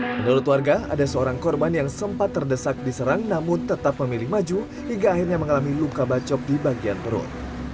menurut warga ada seorang korban yang sempat terdesak diserang namun tetap memilih maju hingga akhirnya mengalami luka bacok di bagian perut